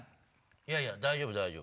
いやいや大丈夫大丈夫。